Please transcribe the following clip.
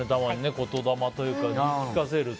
言霊というか言い聞かせるって。